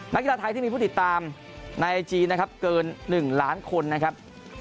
กีฬาไทยที่มีผู้ติดตามในไอจีนะครับเกิน๑ล้านคนนะครับ